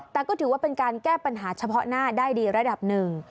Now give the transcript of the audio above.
แต่ก็ถือว่าเป็นการแก้ปัญหาเฉพาะหน้าได้ดีระดับหนึ่ง